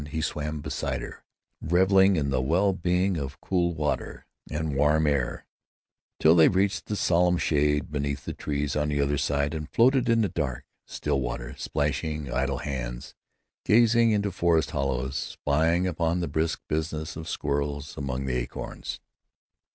He swam beside her, reveling in the well being of cool water and warm air, till they reached the solemn shade beneath the trees on the other side, and floated in the dark, still water, splashing idle hands, gazing into forest hollows, spying upon the brisk business of squirrels among the acorns.